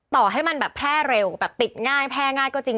ต่อให้มันแบบแพร่เร็วแบบติดง่ายแพร่ง่ายก็จริง